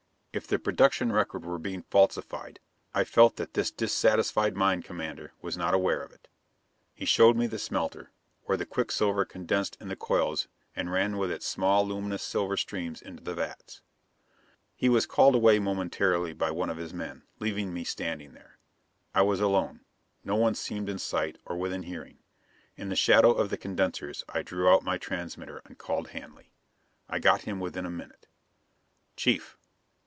If the production record were being falsified I felt that this dissatisfied mine commander was not aware of it. He showed me the smelter, where the quicksilver condensed in the coils and ran with its small luminous silver streams into the vats. He was called away momentarily by one of his men, leaving me standing there. I was alone; no one seemed in sight, or within hearing. In the shadow of the condensers I drew out my transmitter and called Hanley. I got him within a minute. "Chief!"